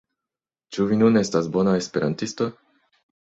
Ĉu vi nun estas bona Esperantisto?